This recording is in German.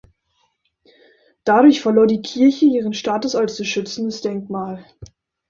Dadurch verlor die Kirche ihren Status als zu schützendes Denkmal.